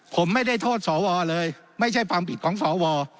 ผมไม่ได้โทษสวเลยไม่ใช่ความผิดของสว